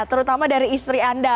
terutama dari istri anda